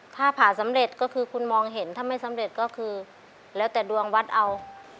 ถ้าผ่าสำเร็จก็คือคุณมองเห็นถ้าไม่สำเร็จก็คือแล้วแต่ดวงวัดเอา